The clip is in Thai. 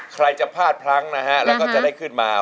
ใครจะพลาดพลั้งนะฮะแล้วก็จะได้ขึ้นมา